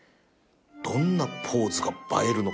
どんなポーズが映えるのかな